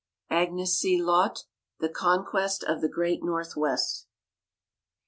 Agnes C. Laut: "The Conquest of the Great Northwest."